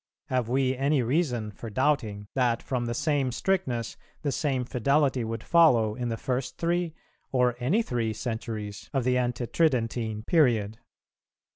Have we any reason for doubting, that from the same strictness the same fidelity would follow, in the first three, or any three, centuries of the Ante tridentine period?